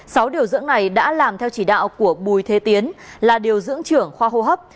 sáu điều dưỡng này đã làm theo chỉ đạo của bùi thế tiến là điều dưỡng trưởng khoa hô hấp